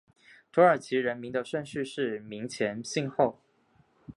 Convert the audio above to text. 土耳其人名的顺序是名前姓后。